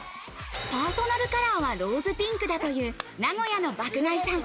パーソナルカラーは、ローズピンクだという名古屋の爆買いさん。